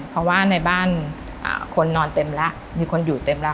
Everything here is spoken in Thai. เพราะว่าในบ้านคนนอนเต็มแล้วมีคนอยู่เต็มแล้ว